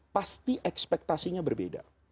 pasti ekspektasinya berbeda